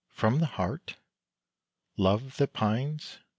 "From the heart?" "Love that pines?"